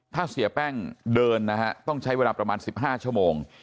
ถ้าเสียแป้งเดินนะฮะต้องใช้เวลาประมาณ๑๕ชั่วโมง